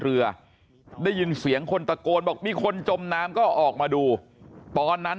เรือได้ยินเสียงคนตะโกนบอกมีคนจมน้ำก็ออกมาดูตอนนั้น